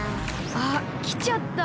あっきちゃった。